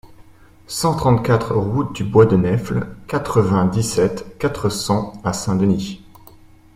cent trente-quatre route du Bois de Nèfles, quatre-vingt-dix-sept, quatre cents à Saint-Denis